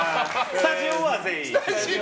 スタジオは全員。